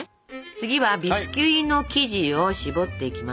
次はビスキュイの生地を絞っていきます。